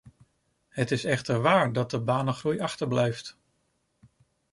Het is echter waar dat de banengroei achterblijft.